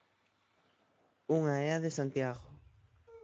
Unha é a de Santiago.